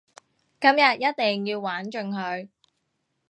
今日一定要玩盡佢